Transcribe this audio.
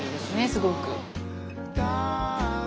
すごく。